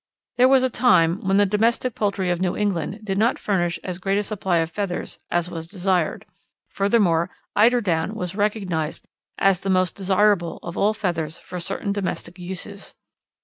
There was a time when the domestic poultry of New England did not furnish as great a supply of feathers as was desired. Furthermore, "Eider down" was recognized as the most desirable of all feathers for certain domestic uses.